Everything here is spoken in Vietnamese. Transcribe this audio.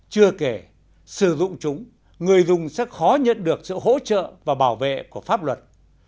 chưa kể sử dụng chúng người dùng sẽ khó nhận được sự hỗ trợ và bảo vệ của pháp luật